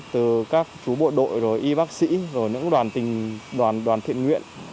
từ các chú bộ đội rồi y bác sĩ rồi những đoàn thiện nguyện